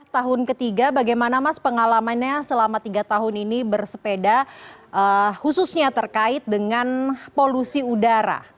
tahun ketiga bagaimana mas pengalamannya selama tiga tahun ini bersepeda khususnya terkait dengan polusi udara